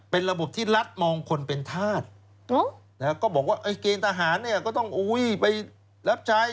เป็นระบบที่รัฐมองคนเป็นธาตุก็บอกว่าไอ้เกณฑ์ทหารเนี่ยก็ต้องไปรับใช้